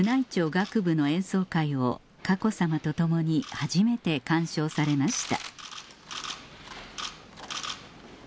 楽部の演奏会を佳子さまと共に初めて鑑賞されました